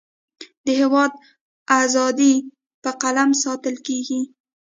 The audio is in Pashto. د هیواد اذادی په قلم ساتلکیږی